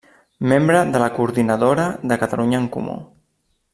Membre de la coordinadora de Catalunya en Comú.